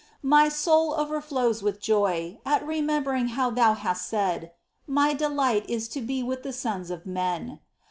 My soul overflows with joy at re membering how Thou hast said :" My delight is to be with the sons of men."